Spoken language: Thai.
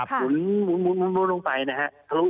หมุนลงไปนะครับ